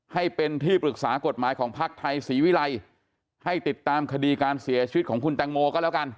ให้เป็นที่ปรึกษากฎหมายของภักดิ์ไทยศรีวิรัยให้ติดตามคดีการเสียชีวิตของคุณแตงโมก็แล้วกัน